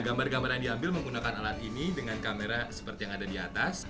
gambar gambar yang diambil menggunakan alat ini dengan kamera seperti yang ada di atas